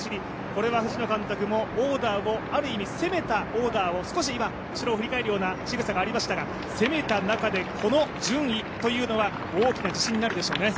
これは藤野監督もオーダーを、ある意味攻めたオーダーを、少し今後ろを振り返るようなしぐさがありましたが、攻めた中でこの順位というのは大きな自信になるでしょうね。